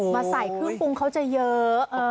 มาใส่เครื่องปรุงเขาจะเยอะ